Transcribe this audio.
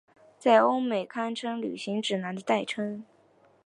在欧美堪称旅行指南的代称。